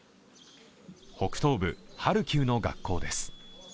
北東部ハルキウの学校です。